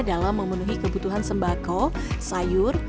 dalam memenuhi kebutuhan sembako sayur